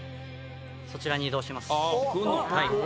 そちらに移動します。